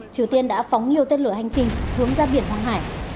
triều tiên đã phóng nhiều tên lửa hành trình hướng ra biển hoàng hải